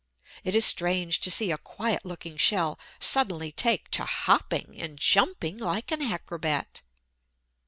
It is strange to see a quiet looking shell suddenly take to hopping and jumping like an acrobat.